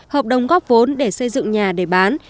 hợp đồng góp vốn để xây dựng nhà để bán